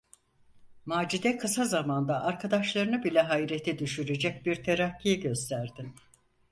Macide kısa zamanda arkadaşlarını bile hayrete düşürecek bir terakki gösterdi.